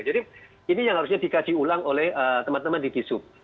jadi ini yang harusnya dikasih ulang oleh teman teman di kisu